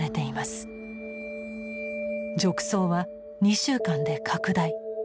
褥瘡は２週間で拡大。